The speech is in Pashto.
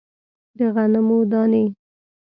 د غنمو دانې